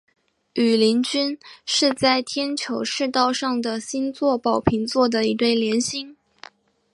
羽林军一是在天球赤道上的星座宝瓶座的一对联星。